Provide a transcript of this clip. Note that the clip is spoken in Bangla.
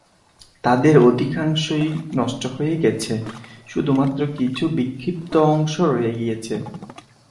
তাদের অধিকাংশই নষ্ট হয়ে গেছে; শুধুমাত্র কিছু বিক্ষিপ্ত অংশ রয়ে গিয়েছে।